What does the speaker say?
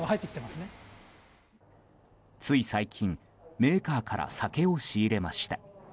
つい最近、メーカーから酒を仕入れました。